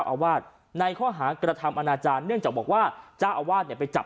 อาวาสในข้อหากระทำอนาจารย์เนื่องจากบอกว่าเจ้าอาวาสเนี่ยไปจับ